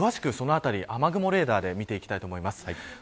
詳しくそのあたり雨雲レーダーで見ていきます。